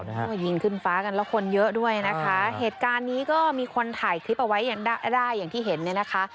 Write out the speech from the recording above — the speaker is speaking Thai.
ก็ยิงขึ้นฟ้ากันแล้วคนเยอะด้วยนะคะเหตุการณ์นี้ก็มีคนถ่ายคลิปเอาไว้ยังได้ได้อย่างที่เห็นเนี่ยนะคะ